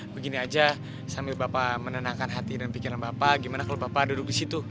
begini aja sambil bapak menenangkan hati dan pikiran bapak gimana kalau bapak duduk di situ